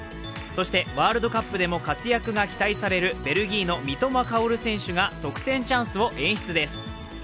そして、ワールドカップでも活躍が期待されるベルギーの三笘薫選手が得点チャンスを演出です。